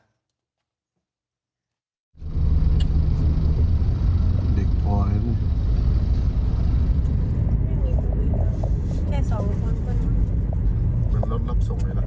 รถแปลกเผื่อนใช่ครับ